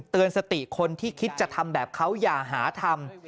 เตือนสติคนที่คิดจะทำแบบเขาอย่าหาทำ